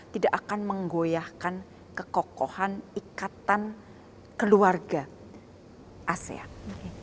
tidak akan menggoyahkan kekokohan ikatan keluarga asean